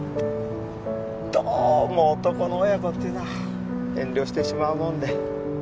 どうも男の親子っていうのは遠慮してしまうもんで。